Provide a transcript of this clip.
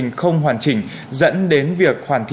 em xin hãy hình tư hiện tại